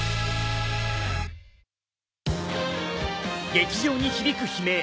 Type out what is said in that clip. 劇場に響く悲鳴。